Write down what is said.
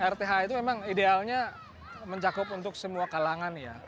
rth itu memang idealnya mencakup untuk semua kalangan ya